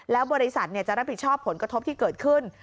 แล้วบริษัทจะรับผิดชอบผลกระทบที่เกิดขึ้น